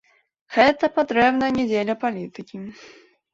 Гэта патрэбна не дзеля палітыкі.